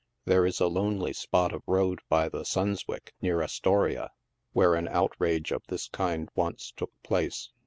There is a lonely spot of road by the Sunswick, near Astoria, where an outrage of this kind once took place.